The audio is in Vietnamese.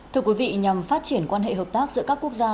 thưa quý vị nhằm phát triển quan hệ hợp tác giữa các quốc gia